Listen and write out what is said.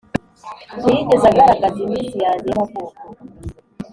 ntiyigeze agaragaza iminsi yanjye y'amavuko,